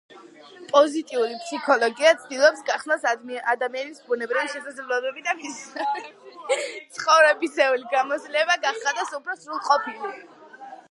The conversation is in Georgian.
პოზიტიური ფსიქოლოგია ცდილობს გახსნას ადამიანის ბუნებრივი შესაძლებლობები და მისი ცხოვრებისეული გამოცდილება გახადოს უფრო სრულყოფილი.